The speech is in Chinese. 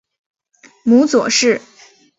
母左氏。